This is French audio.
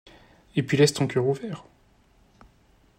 Et puis laisse ton cœur ouvert !